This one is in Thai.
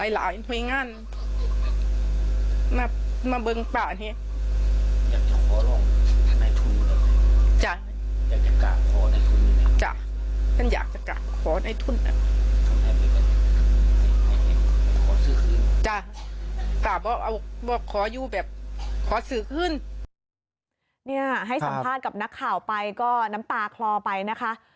ให้สัมภาษณ์กับนักข่าวไปก็น้ำตาคลอไปนะคะ